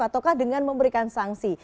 ataukah dengan memberikan sanksi